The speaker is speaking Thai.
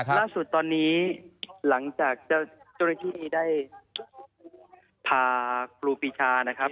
ล่าสุดตอนนี้หลังจากจริงที่นี้ได้พากครูปีชานะครับ